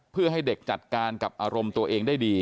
เพื่อให้เด็กจัดการกับอารมณ์ตัวเองได้ดี